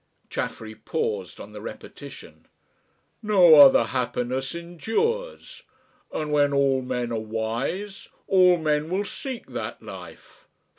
Chaffery paused on the repetition. "No other happiness endures. And when all men are wise, all men will seek that life.